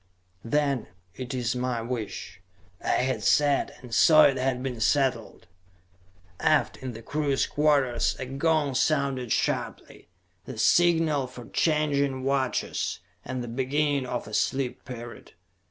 "Then it is my wish," I had said, and so it had been settled. Aft, in the crew's quarters, a gong sounded sharply: the signal for changing watches, and the beginning of a sleep period.